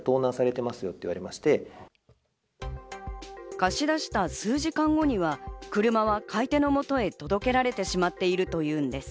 貸し出した数時間後には車は買い手の元へ届けられてしまっているというんです。